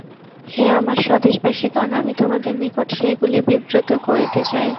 হে আমার স্বদেশবাসিগণ, আমি তোমাদের নিকট সেইগুলি বিবৃত করিতে চাই।